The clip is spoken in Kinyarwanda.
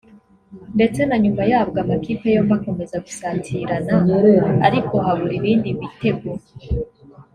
ndetse na nyuma yabwo amakipe yombi akomeza gusatirana ariko habura ibindi bitego